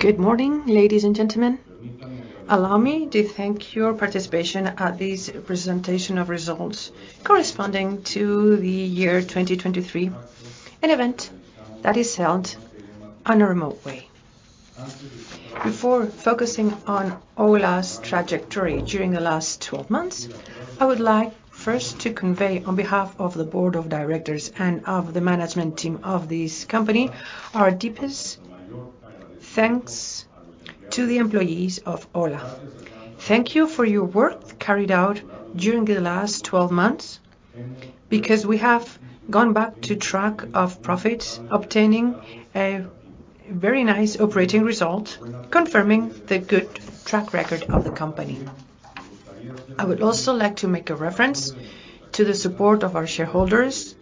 Good morning, ladies and gentlemen. Allow me to thank your participation at this presentation of results corresponding to the year 2023, an event that is held on a remote way. Before focusing on OHLA's trajectory during the last 12 months, I would like first to convey on behalf of the board of directors and of the management team of this company our deepest thanks to the employees of OHLA. Thank you for your work carried out during the last 12 months because we have gone back to track of profits obtaining a very nice operating result confirming the good track record of the company. I would also like to make a reference to the support of our shareholders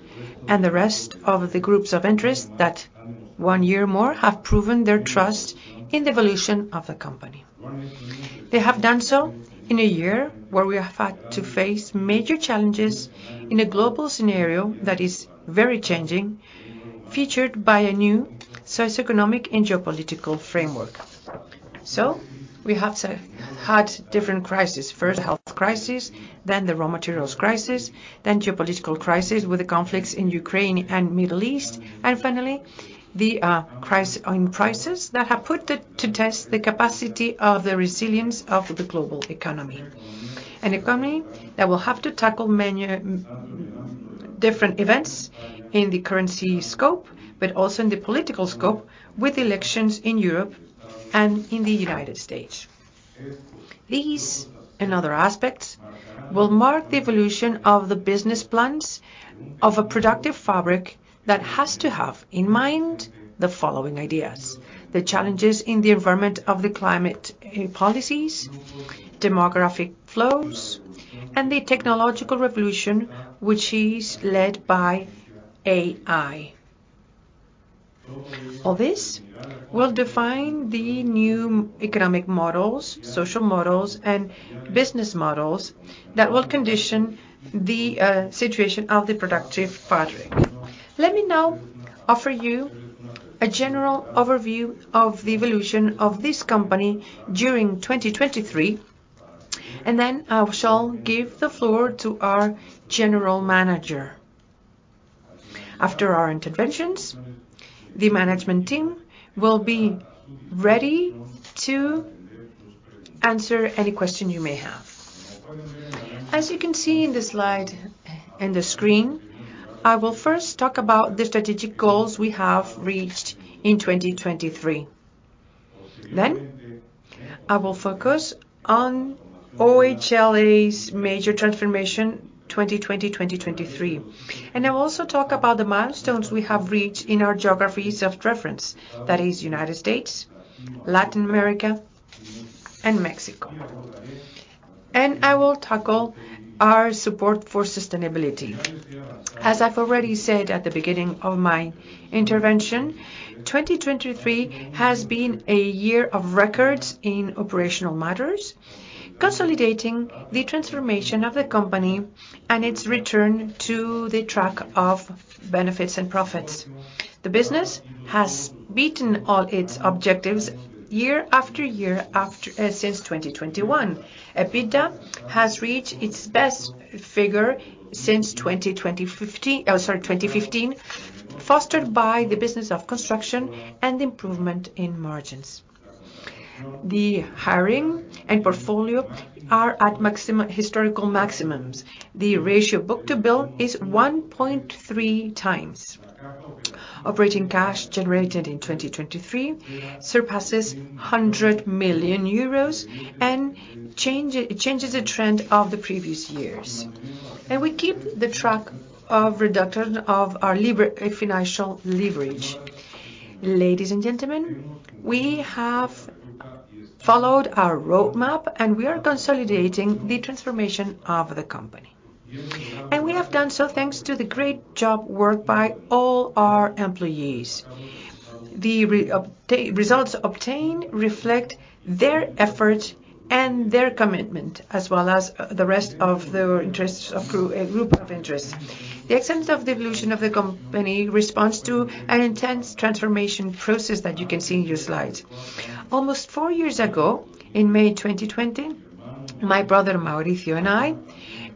and the rest of the groups of interest that, one year more, have proven their trust in the evolution of the company. They have done so in a year where we have had to face major challenges in a global scenario that is very changing, featured by a new socioeconomic and geopolitical framework. So we have had different crises, first the health crisis, then the raw materials crisis, then geopolitical crisis with the conflicts in Ukraine and Middle East, and finally the crises that have put to test the capacity of the resilience of the global economy, an economy that will have to tackle many different events in the currency scope but also in the political scope with elections in Europe and in the United States. These and other aspects will mark the evolution of the business plans of a productive fabric that has to have in mind the following ideas: the challenges in the environment of the climate policies, demographic flows, and the technological revolution which is led by AI. All this will define the new economic models, social models, and business models that will condition the situation of the productive fabric. Let me now offer you a general overview of the evolution of this company during 2023, and then I shall give the floor to our general manager. After our interventions, the management team will be ready to answer any question you may have. As you can see in the slide and the screen, I will first talk about the strategic goals we have reached in 2023. Then I will focus on OHLA's major transformation 2020-2023, and I will also talk about the milestones we have reached in our geographies of reference, that is, United States, Latin America, and Mexico. I will tackle our support for sustainability. As I've already said at the beginning of my intervention, 2023 has been a year of records in operational matters consolidating the transformation of the company and its return to the track of benefits and profits. The business has beaten all its objectives year after year since 2021. EBITDA has reached its best figure since 2015, fostered by the business of construction and improvement in margins. The hiring and portfolio are at historical maximums. The book-to-bill ratio is 1.3 times. Operating cash generated in 2023 surpasses 100 million euros and changes the trend of the previous years. And we keep the track of reduction of our financial leverage. Ladies and gentlemen, we have followed our roadmap, and we are consolidating the transformation of the company. And we have done so thanks to the great job worked by all our employees. The results obtained reflect their efforts and their commitment as well as the rest of the group of interests. The extent of the evolution of the company responds to an intense transformation process that you can see in your slides. Almost four years ago, in May 2020, my brother Mauricio and I,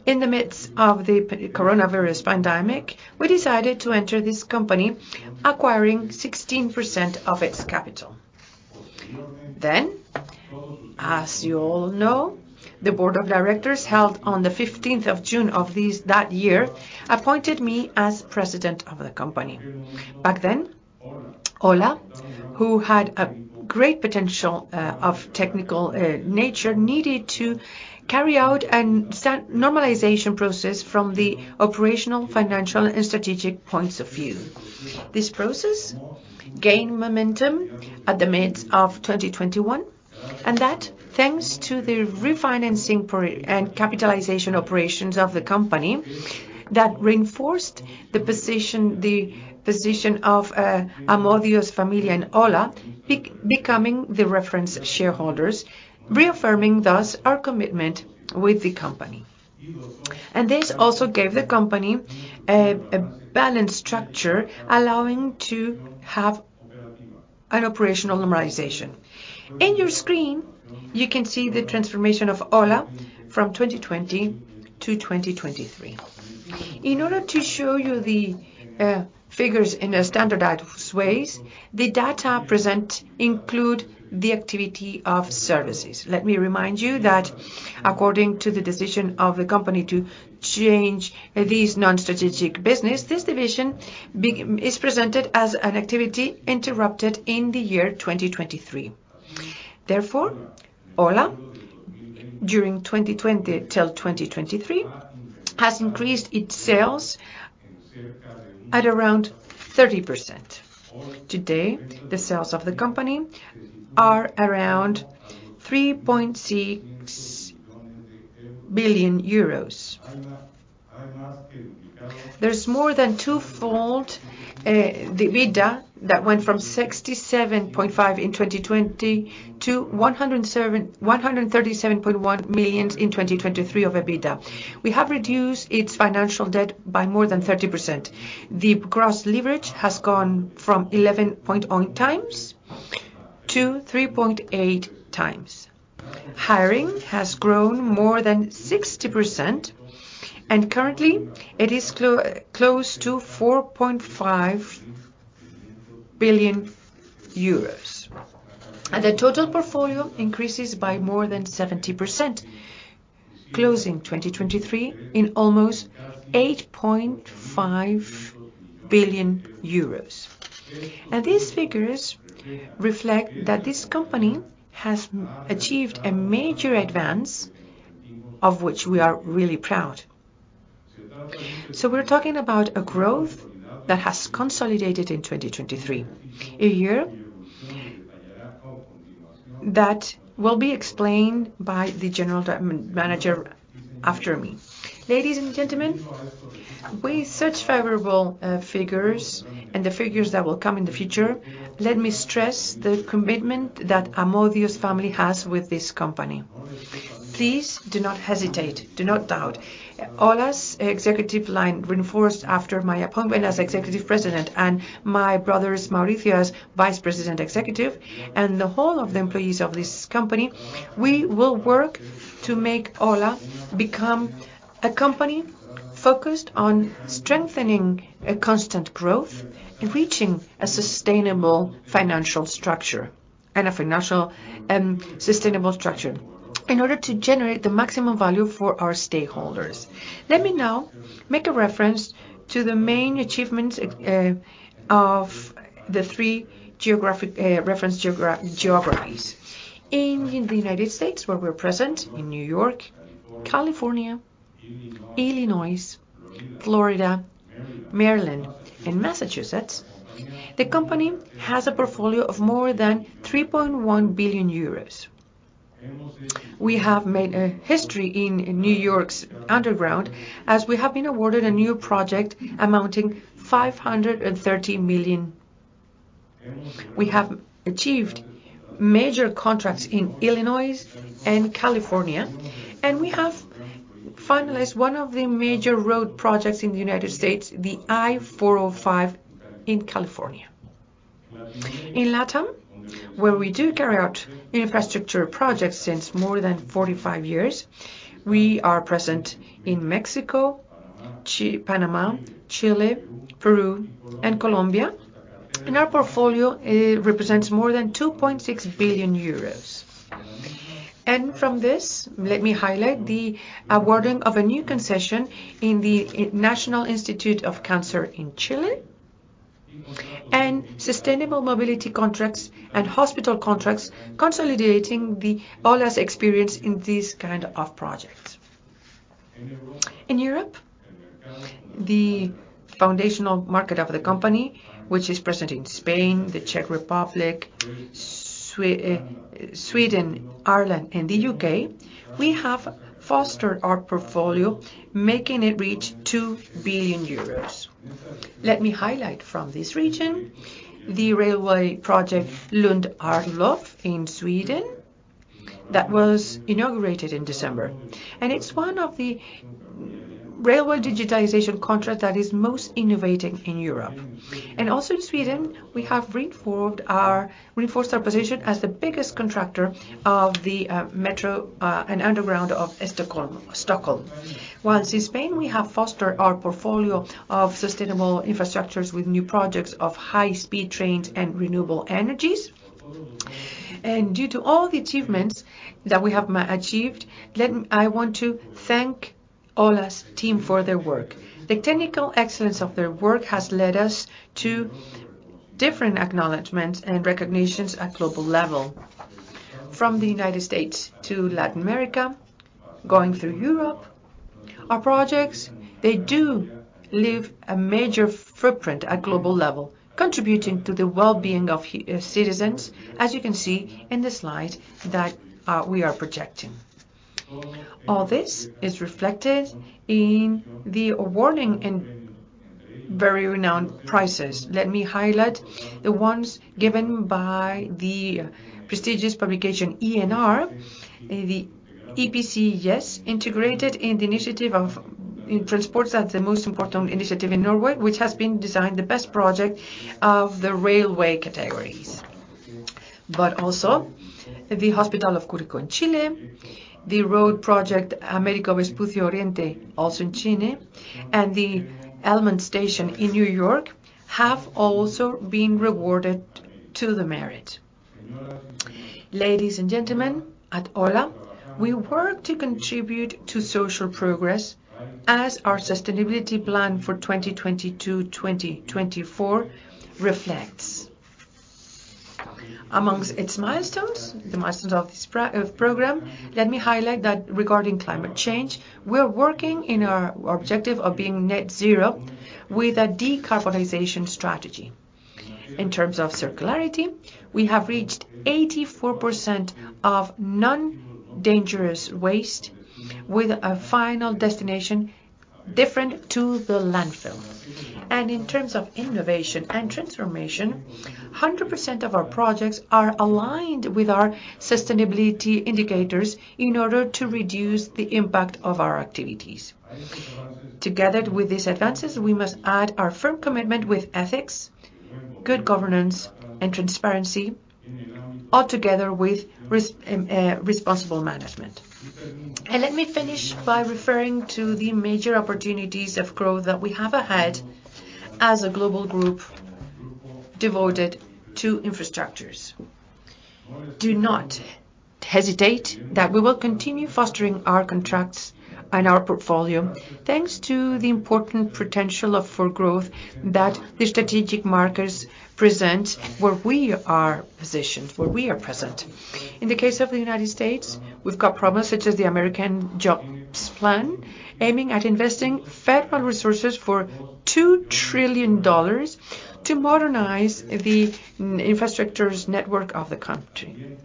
in the midst of the coronavirus pandemic, we decided to enter this company acquiring 16% of its capital. Then, as you all know, the board of directors held on the 15th of June of that year appointed me as president of the company. Back then, OHLA, who had a great potential of technical nature, needed to carry out a normalization process from the operational, financial, and strategic points of view. This process gained momentum in the midst of 2021, and that thanks to the refinancing and capitalization operations of the company that reinforced the position of Amodio family and OHLA becoming the reference shareholders, reaffirming thus our commitment with the company. This also gave the company a balanced structure allowing to have an operational normalization. On your screen, you can see the transformation of OHLA from 2020 to 2023. In order to show you the figures in a standardized way, the data presented include the activity of services. Let me remind you that according to the decision of the company to change this non-strategic business, this division is presented as an activity interrupted in the year 2023. Therefore, OHLA, during 2020 till 2023, has increased its sales at around 30%. Today, the sales of the company are around 3.6 billion euros. There's more than twofold the EBITDA that went from 67.5 million in 2020 to 137.1 million in 2023 of EBITDA. We have reduced its financial debt by more than 30%. The gross leverage has gone from 11.8 times to 3.8 times. Hiring has grown more than 60%, and currently, it is close to 4.5 billion euros. The total portfolio increases by more than 70%, closing 2023 in almost 8.5 billion euros. These figures reflect that this company has achieved a major advance of which we are really proud. So we're talking about a growth that has consolidated in 2023, a year that will be explained by the general manager after me. Ladies and gentlemen, with such favorable figures and the figures that will come in the future, let me stress the commitment that Amodio family has with this company. Please do not hesitate. Do not doubt. OHLA's executive lineup reinforced after my appointment as Executive President and my brother Mauricio as executive vice president and the whole of the employees of this company, we will work to make OHLA become a company focused on strengthening constant growth and reaching a sustainable financial structure and a sustainable structure in order to generate the maximum value for our stakeholders. Let me now make a reference to the main achievements of the three reference geographies. In the United States, where we're present, in New York, California, Illinois, Florida, Maryland, and Massachusetts, the company has a portfolio of more than 3.1 billion euros. We have made a history in New York's underground as we have been awarded a new project amounting to 530 million. We have achieved major contracts in Illinois and California, and we have finalized one of the major road projects in the United States, the I-405, in California. In LATAM, where we do carry out infrastructure projects since more than 45 years, we are present in Mexico, Panama, Chile, Peru, and Colombia. Our portfolio represents more than 2.6 billion euros. From this, let me highlight the awarding of a new concession in the National Institute of Cancer in Chile and sustainable mobility contracts and hospital contracts consolidating OHLA's experience in these kinds of projects. In Europe, the foundational market of the company, which is present in Spain, the Czech Republic, Sweden, Ireland, and the UK, we have fostered our portfolio making it reach 2 billion euros. Let me highlight from this region the railway project Lund–Arlöv in Sweden that was inaugurated in December. It's one of the railway digitalization contracts that is most innovating in Europe. Also in Sweden, we have reinforced our position as the biggest contractor of the metro and underground of Stockholm. While in Spain, we have fostered our portfolio of sustainable infrastructures with new projects of high-speed trains and renewable energies. Due to all the achievements that we have achieved, I want to thank OHLA's team for their work. The technical excellence of their work has led us to different acknowledgments and recognitions at global level. From the United States to Latin America, going through Europe, our projects, they do leave a major footprint at global level contributing to the well-being of citizens, as you can see in the slides that we are projecting. All this is reflected in the awarding and very renowned prizes. Let me highlight the ones given by the prestigious publication ENR, the EPC Ski, integrated in the initiative of transports as the most important initiative in Norway, which has been designed the best project of the railway categories. But also the Hospital de Curicó in Chile, the road project Américo Vespucio Oriente also in Chile, and the Elmont Station in New York have also been rewarded to the merit. Ladies and gentlemen, at OHLA, we work to contribute to social progress as our sustainability plan for 2022-2024 reflects. Among its milestones, the milestones of this program, let me highlight that regarding climate change, we're working in our objective of being net zero with a decarbonization strategy. In terms of circularity, we have reached 84% of non-dangerous waste with a final destination different from the landfill. And in terms of innovation and transformation, 100% of our projects are aligned with our sustainability indicators in order to reduce the impact of our activities. Together with these advances, we must add our firm commitment with ethics, good governance, and transparency altogether with responsible management. Let me finish by referring to the major opportunities of growth that we have ahead as a global group devoted to infrastructures. Do not hesitate that we will continue fostering our contracts and our portfolio thanks to the important potential for growth that the strategic markets present where we are positioned, where we are present. In the case of the United States, we've got programs such as the American Jobs Plan aiming at investing federal resources for $2 trillion to modernize the infrastructure network of the country.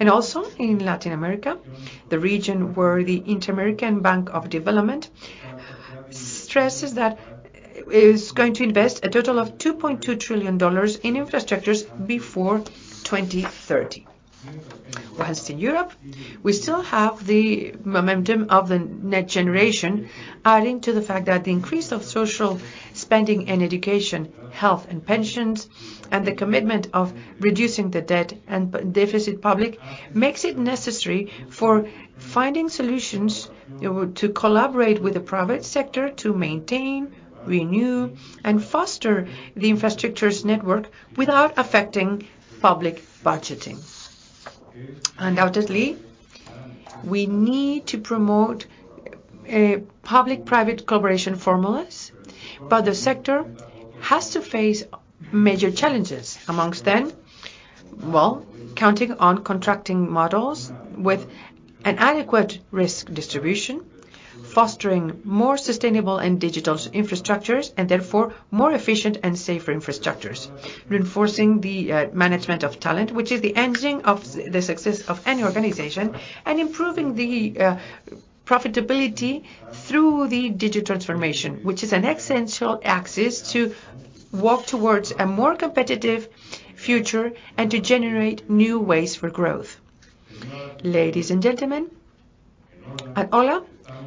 Also in Latin America, the region where the Inter-American Development Bank stresses that it is going to invest a total of $2.2 trillion in infrastructures before 2030. While in Europe, we still have the momentum of the Next Generation adding to the fact that the increase of social spending in education, health, and pensions, and the commitment of reducing the debt and public deficit makes it necessary for finding solutions to collaborate with the private sector to maintain, renew, and foster the infrastructure network without affecting public budgeting. Undoubtedly, we need to promote public-private collaboration formulas, but the sector has to face major challenges. Among them, well, counting on contracting models with an adequate risk distribution, fostering more sustainable and digital infrastructures, and therefore more efficient and safer infrastructures, reinforcing the management of talent, which is the engine of the success of any organization, and improving the profitability through the digital transformation, which is an essential axis to walk towards a more competitive future and to generate new ways for growth. Ladies and gentlemen, at OHLA,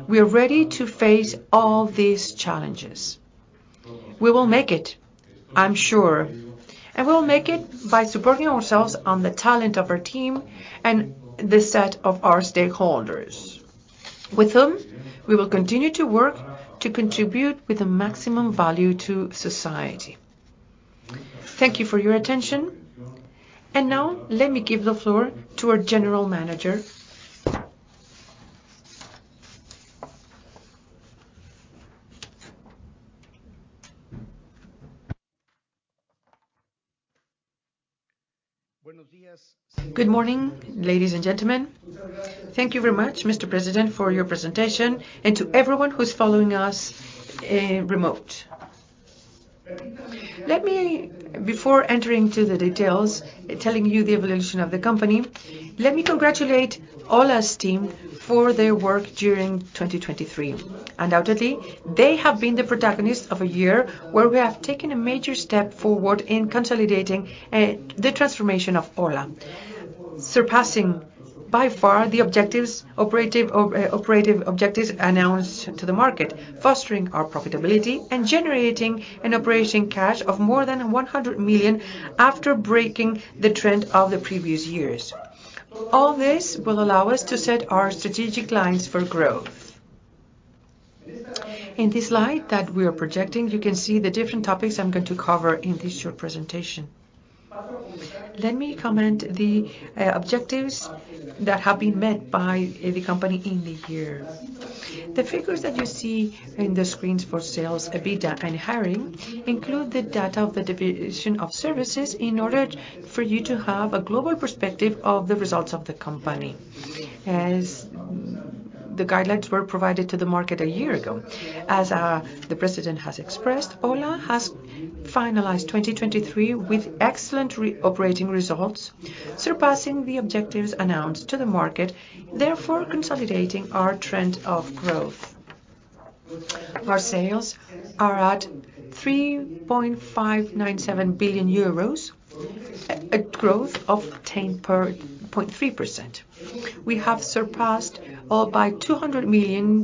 we are ready to face all these challenges. We will make it, I'm sure. And we will make it by supporting ourselves on the talent of our team and the set of our stakeholders, with whom we will continue to work to contribute with the maximum value to society. Thank you for your attention. And now, let me give the floor to our general manager. Good morning, ladies and gentlemen. Thank you very much, Mr. President, for your presentation and to everyone who's following us remote. Before entering into the details, telling you the evolution of the company, let me congratulate OHLA's team for their work during 2023. Undoubtedly, they have been the protagonists of a year where we have taken a major step forward in consolidating the transformation of OHLA, surpassing by far the operative objectives announced to the market, fostering our profitability, and generating an operating cash of more than 100 million after breaking the trend of the previous years. All this will allow us to set our strategic lines for growth. In this slide that we are projecting, you can see the different topics I'm going to cover in this short presentation. Let me comment the objectives that have been met by the company in the year. The figures that you see in the screens for sales, EBITDA, and hiring include the data of the division of services in order for you to have a global perspective of the results of the company as the guidelines were provided to the market a year ago. As the President has expressed, OHLA has finalized 2023 with excellent operating results, surpassing the objectives announced to the market, therefore consolidating our trend of growth. Our sales are at 3.597 billion euros, a growth of 0.3%. We have surpassed all by 200 million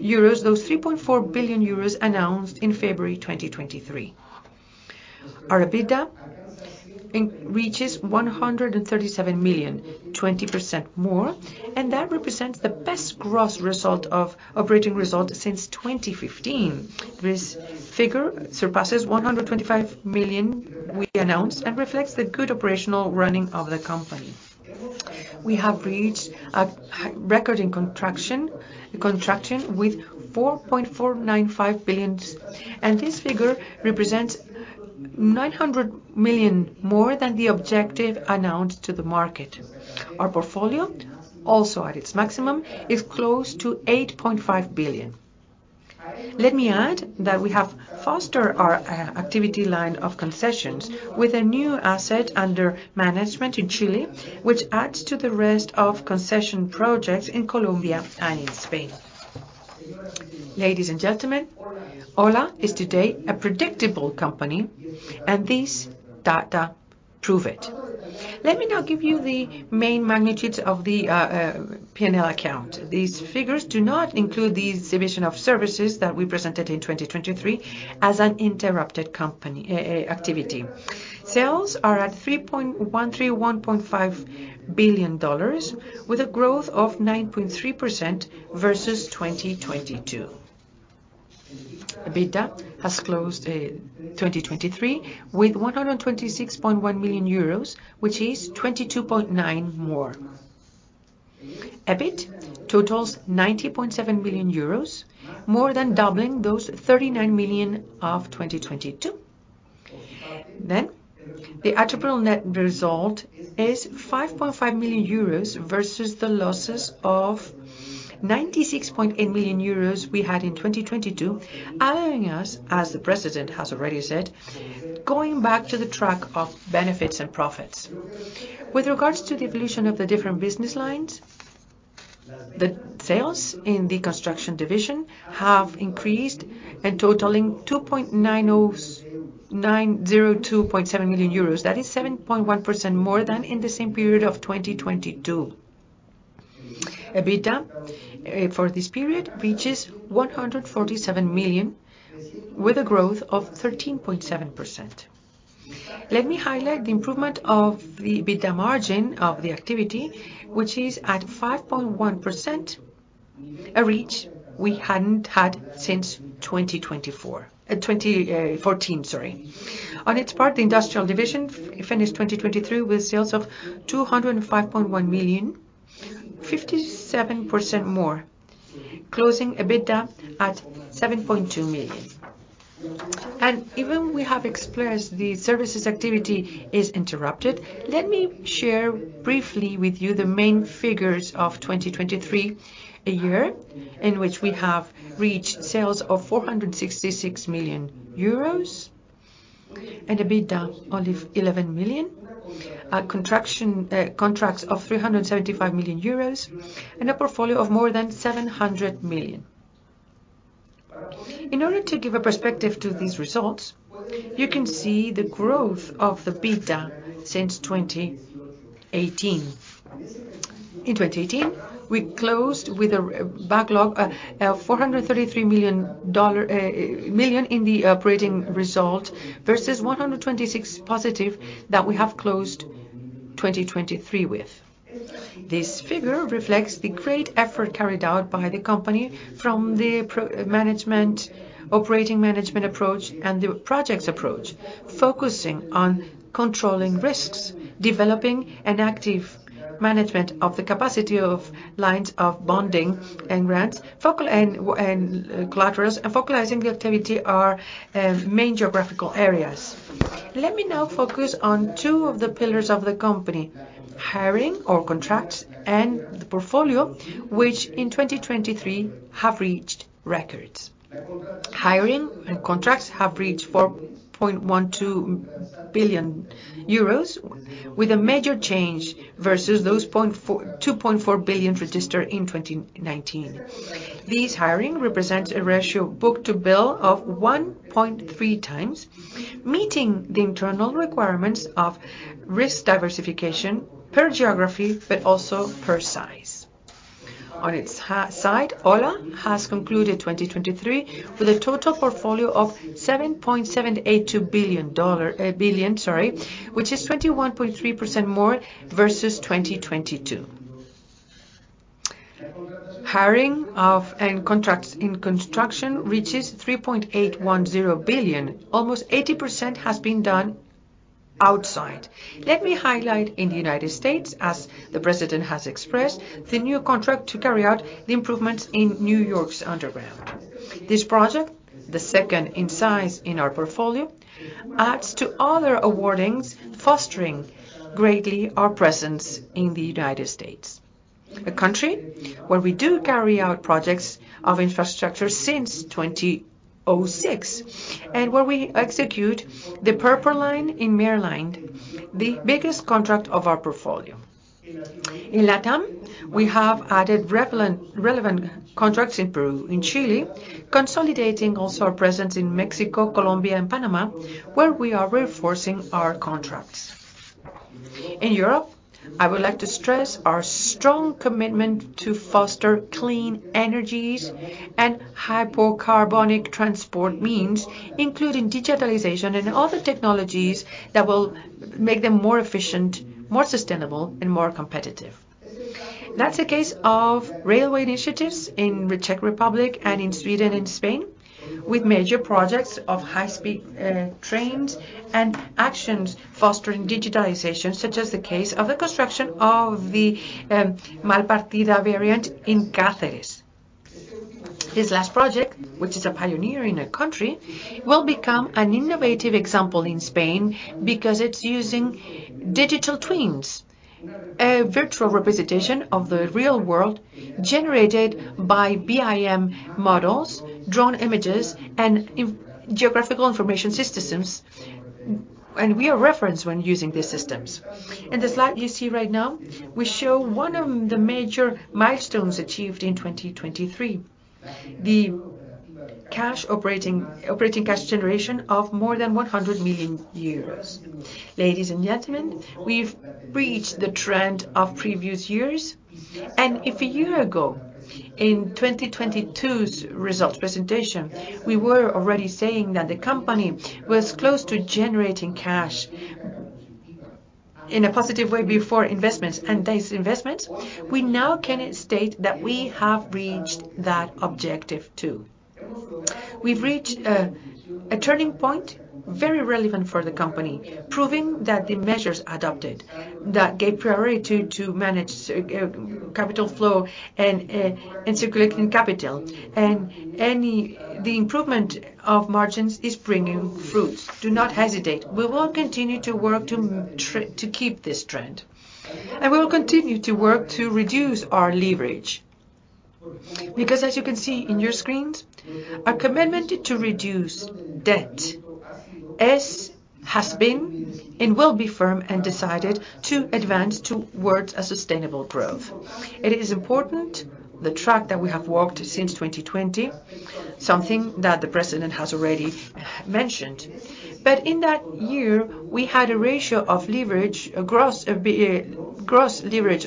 euros, those 3.4 billion euros announced in February 2023. Our EBITDA reaches 137 million, 20% more, and that represents the best gross operating result since 2015. This figure surpasses 125 million we announced and reflects the good operational running of the company. We have reached a record backlog with 4.495 billion, and this figure represents 900 million more than the objective announced to the market. Our portfolio, also at its maximum, is close to 8.5 billion. Let me add that we have fostered our activity line of concessions with a new asset under management in Chile, which adds to the rest of concession projects in Colombia and in Spain. Ladies and gentlemen, OHLA is today a predictable company, and these data prove it. Let me now give you the main magnitudes of the P&L account. These figures do not include the execution of services that we presented in 2023 as an interrupted activity. Sales are at EUR 3.1315 billion with a growth of 9.3% versus 2022. EBITDA has closed 2023 with 126.1 million euros, which is 22.9% more. EBIT totals 90.7 million euros, more than doubling those 39 million of 2022. Then, the attributable net result is 5.5 million euros versus the losses of 96.8 million euros we had in 2022, allowing us, as the President has already said, going back to the track of benefits and profits. With regards to the evolution of the different business lines, the sales in the construction division have increased and totaling 2,027 million euros. That is 7.1% more than in the same period of 2022. EBITDA for this period reaches 147 million with a growth of 13.7%. Let me highlight the improvement of the EBITDA margin of the activity, which is at 5.1%, a reach we hadn't had since 2014, sorry. On its part, the industrial division finished 2023 with sales of 205.1 million, 57% more, closing EBITDA at 7.2 million. Even we have explored the services activity is interrupted, let me share briefly with you the main figures of 2023, a year in which we have reached sales of 466 million euros and EBITDA of 11 million, contracts of 375 million euros, and a portfolio of more than 700 million. In order to give a perspective to these results, you can see the growth of the EBITDA since 2018. In 2018, we closed with a backlog of $433 million in the operating result versus 126 million positive that we have closed 2023 with. This figure reflects the great effort carried out by the company from the operating management approach and the projects approach, focusing on controlling risks, developing an active management of the capacity of lines of bonding and grants, and collaterals, and focusing the activity on main geographical areas. Let me now focus on two of the pillars of the company, hiring or contracts and the portfolio, which in 2023 have reached records. Hiring and contracts have reached 4.12 billion euros with a major change versus those 2.4 billion registered in 2019. These hiring represents a book-to-bill ratio of 1.3 times, meeting the internal requirements of risk diversification per geography but also per size. On its side, OHLA has concluded 2023 with a total portfolio of $7.782 billion, which is 21.3% more versus 2022. Hiring and contracts in construction reaches $3.810 billion. Almost 80% has been done outside. Let me highlight in the United States, as the President has expressed, the new contract to carry out the improvements in New York's underground. This project, the second in size in our portfolio, adds to other awardings, fostering greatly our presence in the United States, a country where we do carry out projects of infrastructure since 2006 and where we execute the Purple Line in Maryland, the biggest contract of our portfolio. In LATAM, we have added relevant contracts in Peru, in Chile, consolidating also our presence in Mexico, Colombia, and Panama, where we are reinforcing our contracts. In Europe, I would like to stress our strong commitment to foster clean energies and hypocarbonic transport means, including digitalization and other technologies that will make them more efficient, more sustainable, and more competitive. That's the case of railway initiatives in the Czech Republic and in Sweden and Spain, with major projects of high-speed trains and actions fostering digitalization, such as the case of the construction of the Malpartida variant in Cáceres. This last project, which is a pioneer in a country, will become an innovative example in Spain because it's using digital twins, a virtual representation of the real world generated by BIM models, drone images, and geographical information systems. And we are referenced when using these systems. In the slide you see right now, we show one of the major milestones achieved in 2023, the operating cash generation of more than 100 million euros. Ladies and gentlemen, we've reached the trend of previous years. And if a year ago, in 2022's results presentation, we were already saying that the company was close to generating cash in a positive way before investments. These investments, we now can state that we have reached that objective too. We've reached a turning point very relevant for the company, proving that the measures adopted that gave priority to manage capital flow and circulating capital. The improvement of margins is bringing fruits. Do not hesitate. We will continue to work to keep this trend. We will continue to work to reduce our leverage. Because, as you can see in your screens, our commitment to reduce debt has been and will be firm and decided to advance towards sustainable growth. It is important, the track that we have walked since 2020, something that the President has already mentioned. But in that year, we had a ratio of gross leverage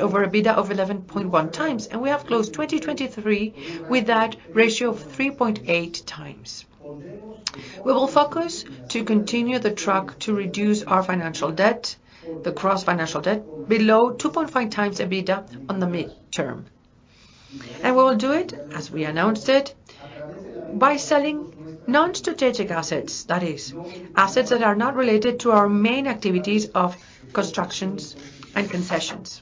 over EBITDA of 11.1 times, and we have closed 2023 with that ratio of 3.8 times. We will focus to continue the track to reduce our financial debt, the gross financial debt, below 2.5 times EBITDA in the mid-term. We will do it, as we announced it, by selling non-strategic assets, that is, assets that are not related to our main activities of construction and concessions.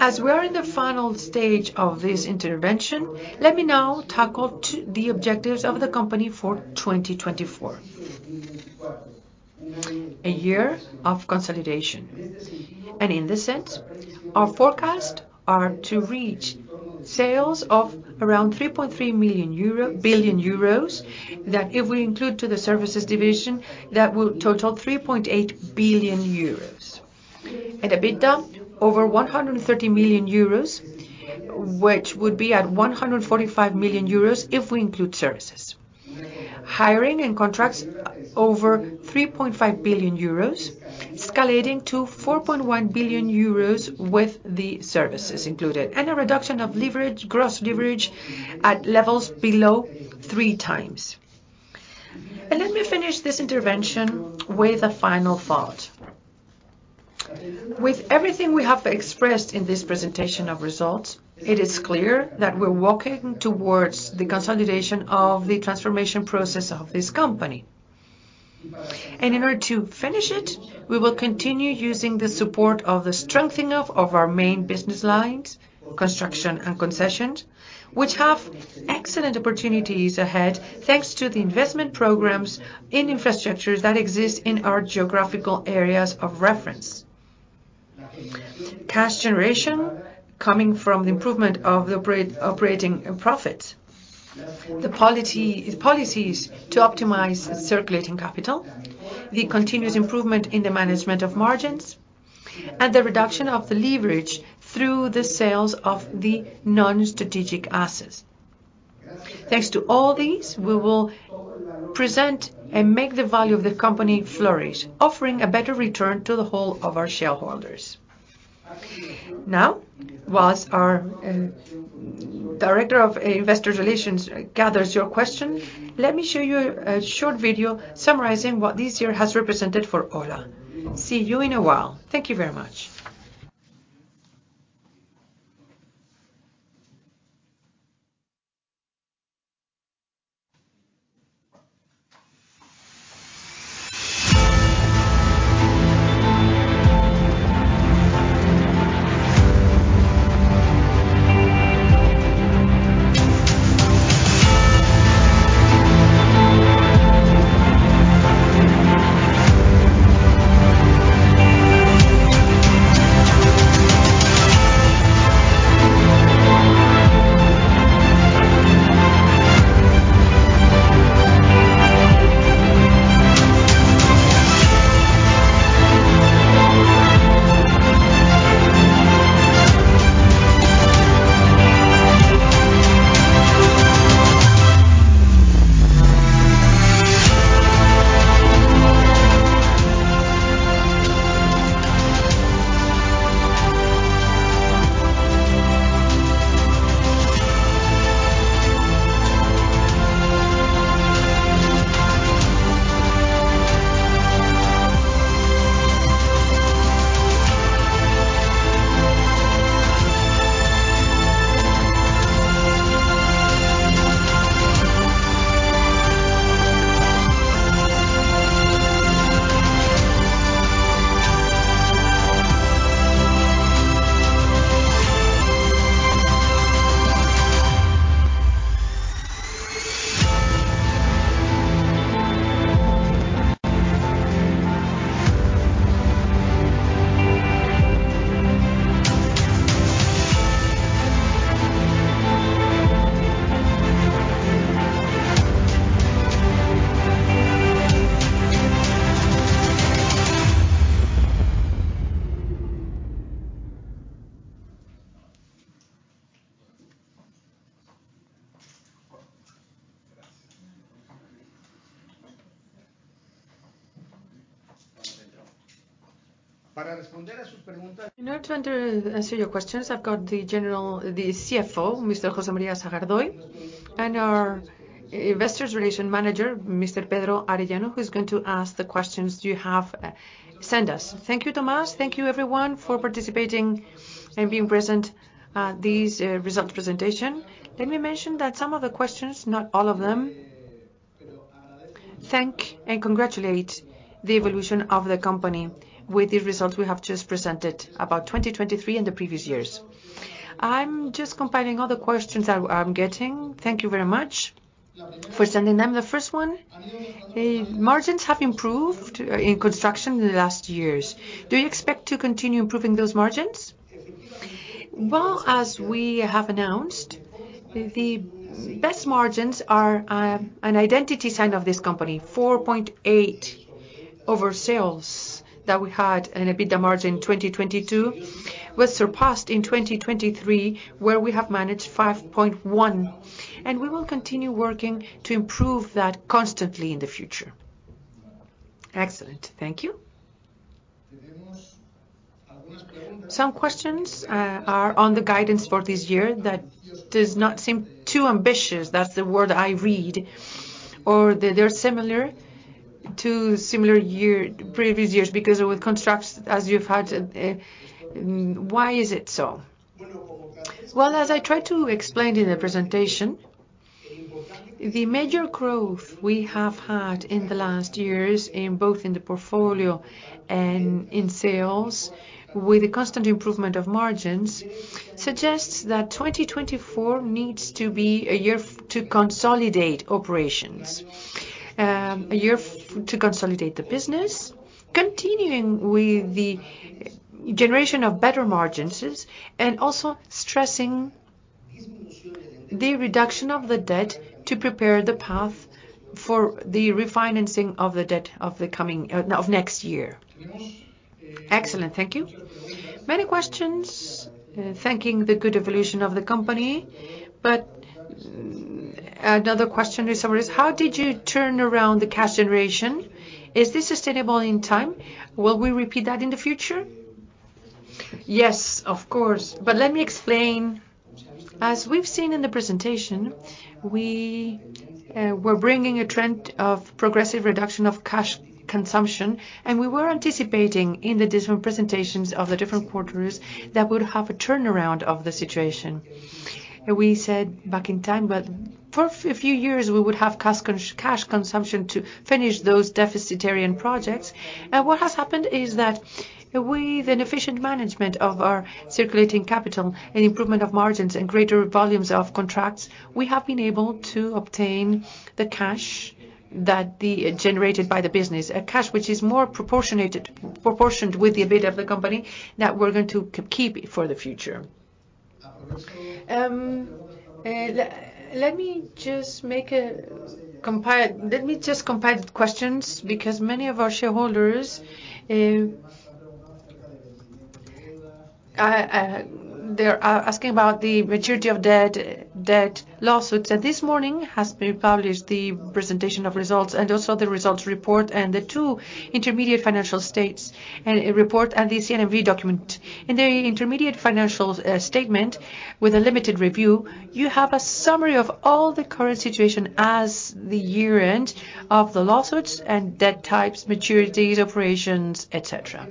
As we are in the final stage of this intervention, let me now tackle the objectives of the company for 2024, a year of consolidation. In this sense, our forecasts are to reach sales of around 3.3 billion euro that, if we include the services division, that will total 3.8 billion euros. And EBITDA, over 130 million euros, which would be at 145 million euros if we include services. Hiring and contracts over 3.5 billion euros, scaling to 4.1 billion euros with the services included, and a reduction of gross leverage at levels below three times. Let me finish this intervention with a final thought. With everything we have expressed in this presentation of results, it is clear that we're walking towards the consolidation of the transformation process of this company. In order to finish it, we will continue using the support of the strengthening of our main business lines, construction and concessions, which have excellent opportunities ahead thanks to the investment programs in infrastructures that exist in our geographical areas of reference, cash generation coming from the improvement of the operating profits, the policies to optimize circulating capital, the continuous improvement in the management of margins, and the reduction of the leverage through the sales of the non-strategic assets. Thanks to all these, we will present and make the value of the company flourish, offering a better return to the whole of our shareholders. Now, while our director of investor relations gathers your question, let me show you a short video summarizing what this year has represented for OHLA. See you in a while. Thank you very much. In order to answer your questions, I've got the CFO, Mr. José María Sagardoy, and our investor relations manager, Mr. Pedro Arellano, who is going to ask the questions you have sent us. Thank you, Tomás. Thank you, everyone, for participating and being present at this results presentation. Let me mention that some of the questions, not all of them, thank and congratulate the evolution of the company with these results we have just presented about 2023 and the previous years. I'm just compiling all the questions that I'm getting. Thank you very much for sending them. The first one, margins have improved in construction in the last years. Do you expect to continue improving those margins? Well, as we have announced, the best margins are an identity sign of this company. 4.8% over sales that we had in EBITDA margin 2022 was surpassed in 2023, where we have managed 5.1%. We will continue working to improve that constantly in the future. Excellent. Thank you. Some questions are on the guidance for this year that does not seem too ambitious. That's the word I read. Or they're similar to previous years because with contracts, as you've had, why is it so? Well, as I tried to explain in the presentation, the major growth we have had in the last years, both in the portfolio and in sales, with the constant improvement of margins, suggests that 2024 needs to be a year to consolidate operations, a year to consolidate the business, continuing with the generation of better margins, and also stressing the reduction of the debt to prepare the path for the refinancing of the debt of next year. Excellent. Thank you. Many questions thanking the good evolution of the company. But another question to summarize, how did you turn around the cash generation? Is this sustainable in time? Will we repeat that in the future? Yes, of course. But let me explain. As we've seen in the presentation, we were bringing a trend of progressive reduction of cash consumption. We were anticipating in the different presentations of the different quarters that we would have a turnaround of the situation. We said back in time, but for a few years, we would have cash consumption to finish those deficitarian projects. What has happened is that with an efficient management of our circulating capital and improvement of margins and greater volumes of contracts, we have been able to obtain the cash that's generated by the business, a cash which is more proportionate with the EBITDA of the company that we're going to keep for the future. Let me just compile the questions because many of our shareholders, they're asking about the maturity of debt lawsuits. This morning has been published the presentation of results and also the results report and the two intermediate financial states report and the CNMV document. In the intermediate financial statement with a limited review, you have a summary of all the current situation as the year-end of the lawsuits and debt types, maturities, operations, etc.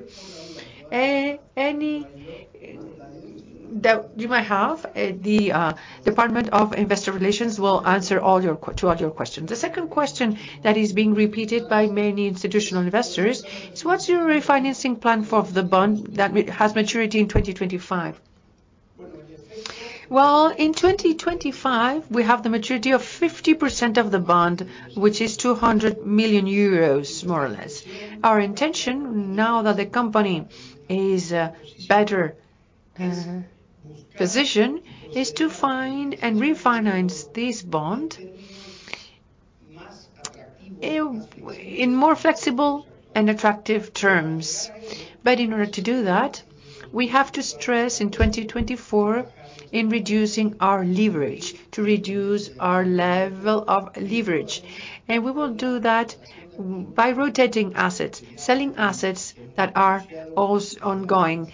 That you might have. The Department of Investor Relations will answer to all your questions. The second question that is being repeated by many institutional investors is, what's your refinancing plan for the bond that has maturity in 2025? Well, in 2025, we have the maturity of 50% of the bond, which is 200 million euros, more or less. Our intention, now that the company is better positioned, is to find and refinance this bond in more flexible and attractive terms. But in order to do that, we have to stress in 2024 in reducing our leverage to reduce our level of leverage. We will do that by rotating assets, selling assets that are ongoing,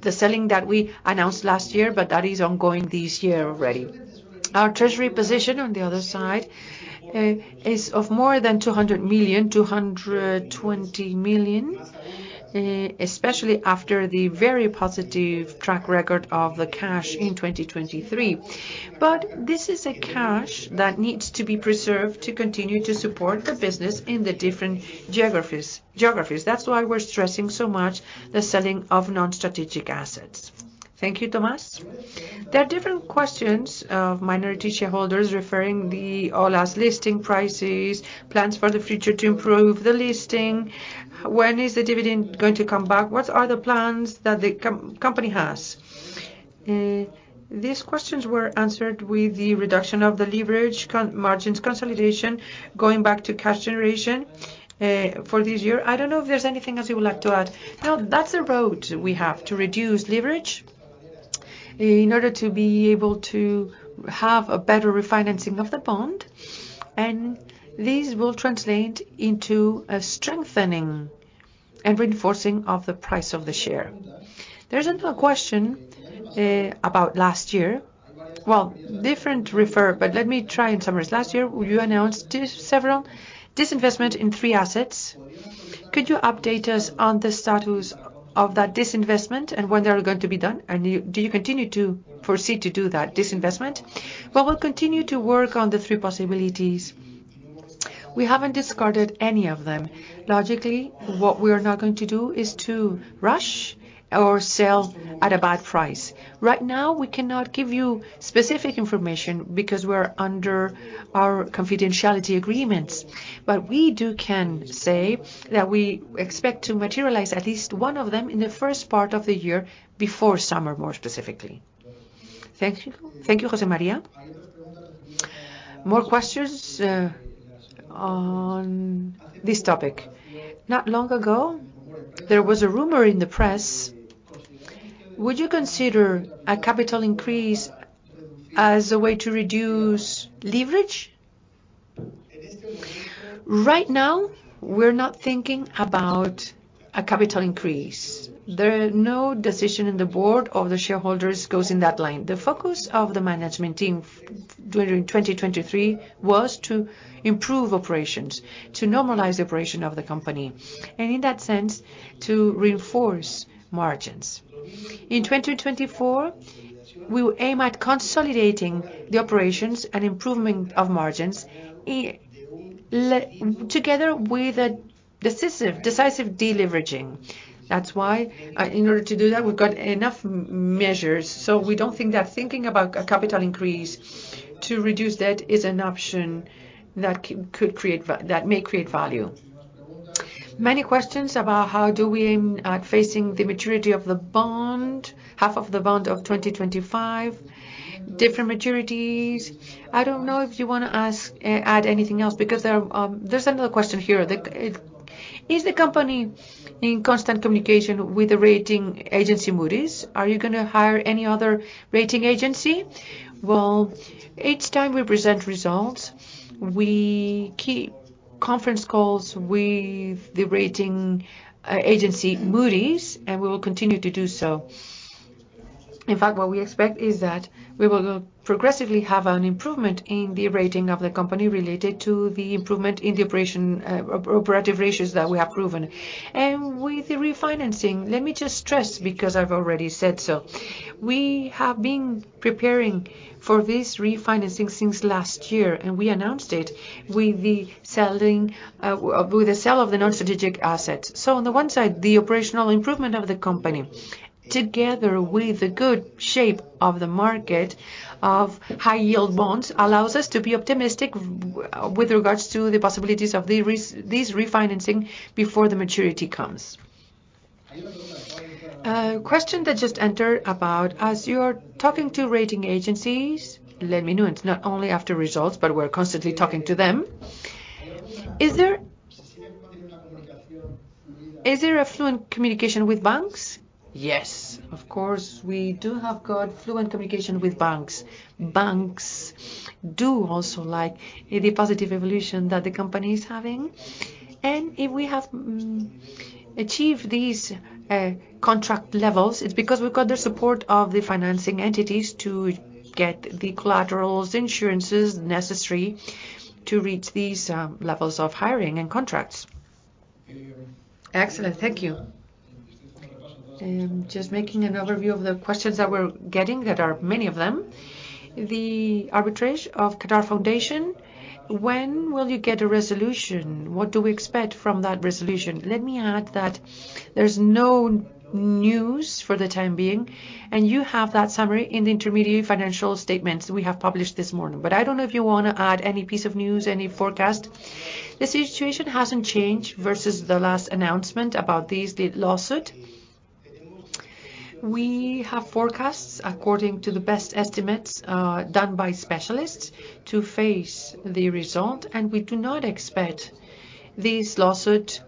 the selling that we announced last year, but that is ongoing this year already. Our treasury position, on the other side, is of more than 200 million, 220 million, especially after the very positive track record of the cash in 2023. But this is a cash that needs to be preserved to continue to support the business in the different geographies. That's why we're stressing so much the selling of non-strategic assets. Thank you, Tomás. There are different questions of minority shareholders referring to OHLA's listing prices, plans for the future to improve the listing, when is the dividend going to come back, what are the plans that the company has? These questions were answered with the reduction of the leverage, margins consolidation, going back to cash generation for this year. I don't know if there's anything else you would like to add. No, that's the road we have to reduce leverage in order to be able to have a better refinancing of the bond. These will translate into a strengthening and reinforcing of the price of the share. There's another question about last year. Well, different refer, but let me try and summarize. Last year, you announced several disinvestments in three assets. Could you update us on the status of that disinvestment and when they're going to be done? Do you continue to foresee to do that disinvestment? Well, we'll continue to work on the three possibilities. We haven't discarded any of them. Logically, what we are not going to do is to rush or sell at a bad price. Right now, we cannot give you specific information because we're under our confidentiality agreements. But we do can say that we expect to materialize at least one of them in the first part of the year before summer, more specifically. Thank you, José María. More questions on this topic? Not long ago, there was a rumor in the press, would you consider a capital increase as a way to reduce leverage? Right now, we're not thinking about a capital increase. There are no decisions in the board of the shareholders that go in that line. The focus of the management team during 2023 was to improve operations, to normalize the operation of the company, and in that sense, to reinforce margins. In 2024, we aim at consolidating the operations and improvement of margins together with decisive deleveraging. That's why, in order to do that, we've got enough measures. So we don't think that thinking about a capital increase to reduce debt is an option that may create value. Many questions about how do we aim at facing the maturity of the bond, half of the bond of 2025, different maturities. I don't know if you want to add anything else because there's another question here. Is the company in constant communication with the rating agency, Moody's? Are you going to hire any other rating agency? Well, each time we present results, we keep conference calls with the rating agency, Moody's, and we will continue to do so. In fact, what we expect is that we will progressively have an improvement in the rating of the company related to the improvement in the operative ratios that we have proven. And with the refinancing, let me just stress because I've already said so. We have been preparing for this refinancing since last year, and we announced it with the sale of the non-strategic assets. On the one side, the operational improvement of the company, together with the good shape of the market of high-yield bonds, allows us to be optimistic with regards to the possibilities of this refinancing before the maturity comes. A question that just entered about, as you are talking to rating agencies, let me know. It's not only after results, but we're constantly talking to them. Is there a fluent communication with banks? Yes, of course. We do have got fluent communication with banks. Banks do also like the positive evolution that the company is having. And if we have achieved these contract levels, it's because we've got the support of the financing entities to get the collaterals, insurances necessary to reach these levels of hiring and contracts. Excellent. Thank you. Just making an overview of the questions that we're getting, that are many of them. The arbitration of Qatar Foundation, when will you get a resolution? What do we expect from that resolution? Let me add that there's no news for the time being. You have that summary in the intermediate financial statements we have published this morning. But I don't know if you want to add any piece of news, any forecast. The situation hasn't changed versus the last announcement about this lawsuit. We have forecasts according to the best estimates done by specialists to face the result. We do not expect this lawsuit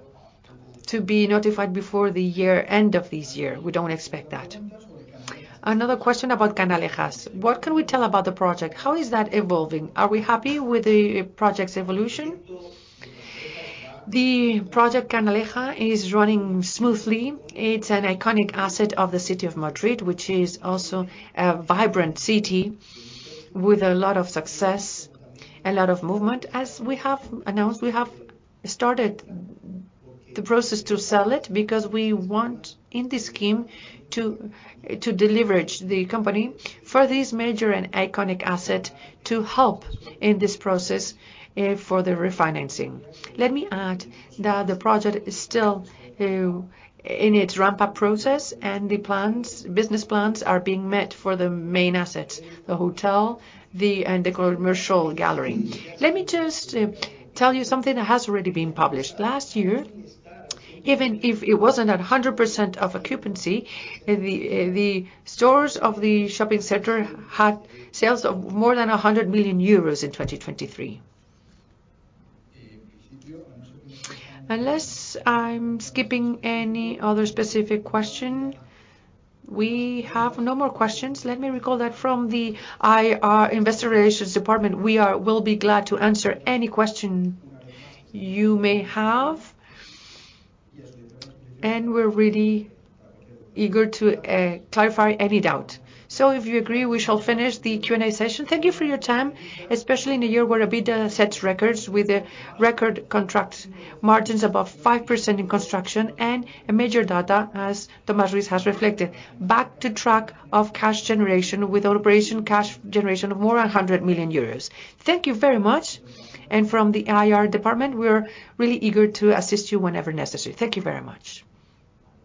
to be notified before the year-end of this year. We don't expect that. Another question about Canalejas. What can we tell about the project? How is that evolving? Are we happy with the project's evolution? The project Canalejas is running smoothly. It's an iconic asset of the city of Madrid, which is also a vibrant city with a lot of success, a lot of movement. As we have announced, we have started the process to sell it because we want, in this scheme, to deleverage the company for this major and iconic asset to help in this process for the refinancing. Let me add that the project is still in its ramp-up process, and the business plans are being met for the main assets, the hotel and the commercial gallery. Let me just tell you something that has already been published. Last year, even if it wasn't at 100% of occupancy, the stores of the shopping center had sales of more than 100 million euros in 2023. Unless I'm skipping any other specific question, we have no more questions. Let me recall that from the IR Investor Relations Department, we will be glad to answer any question you may have. And we're really eager to clarify any doubt. So if you agree, we shall finish the Q&A session. Thank you for your time, especially in a year where EBITDA sets records with record contract margins above 5% in construction and a major data, as Tomás Ruiz has reflected, back to track of cash generation with operation cash generation of more than 100 million euros. Thank you very much. And from the IR Department, we're really eager to assist you whenever necessary. Thank you very much.